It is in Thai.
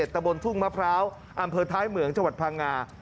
ตะบนทุ่งมะพร้าวอำเภอท้ายเหมืองจังหวัดพังงา